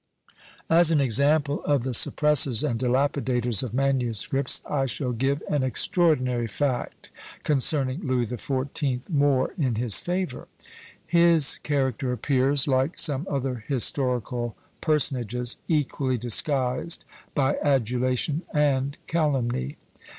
As an example of the suppressors and dilapidators of manuscripts, I shall give an extraordinary fact concerning Louis the Fourteenth, more in his favour. His character appears, like some other historical personages, equally disguised by adulation and calumny.